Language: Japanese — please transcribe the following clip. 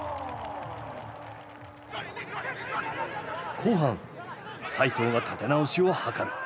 後半齋藤が立て直しを図る。